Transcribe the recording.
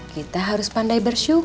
kita harus pandai bersyukur